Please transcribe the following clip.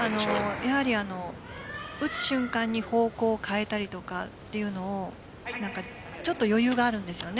やはり打つ瞬間に方向を変えたりとかというのをちょっと余裕があるんですよね。